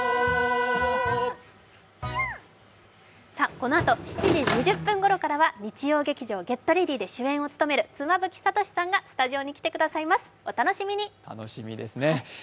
このあと７時２０分頃からは日曜劇場「ＧｅｔＲｅａｄｙ！」で主演を務める妻夫木聡さんがスタジオに来てくださいます。